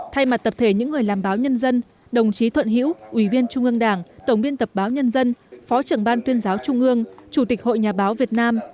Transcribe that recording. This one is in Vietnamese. thay mặt tập thể những người làm báo nhân dân đồng chí thuận hữu ủy viên trung ương đảng tổng biên tập báo nhân dân phó trưởng ban tuyên giáo trung ương chủ tịch hội nhà báo việt nam